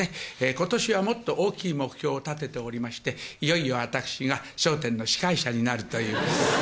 ことしはもっと大きい目標を立てておりまして、いよいよ私が笑点の司会者になるという。